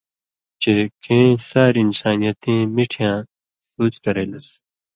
چے کیں ساریۡ اِنسانیتیں مِٹھیۡاں سُوچ کرے لَس۔